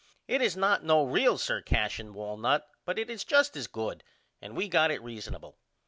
It is not no real Sir Cashion walnut but it is just as good and we got it reasonable.